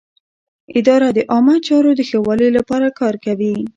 اداره د عامه چارو د ښه والي لپاره کار کوي.